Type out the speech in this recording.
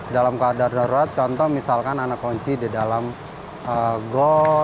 dalam keadaan darurat contoh misalkan anak kunci di dalam gol